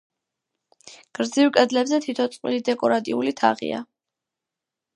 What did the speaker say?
გრძივ კედლებზე თითო წყვილი დეკორატიული თაღია.